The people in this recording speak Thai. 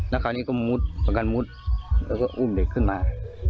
แล้วคราวนี้ก็มุดประกันมุดแล้วก็อุ้มเด็กขึ้นมา